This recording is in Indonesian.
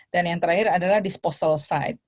dan yang terakhir adalah disposal site